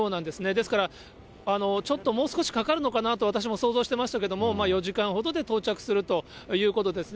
ですから、ちょっと、もう少しかかるのかなと私、想像してましたけども、４時間ほどで到着するということですね。